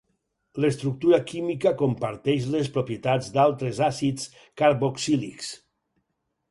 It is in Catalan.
L'estructura química comparteix les propietats d'altres àcids carboxílics.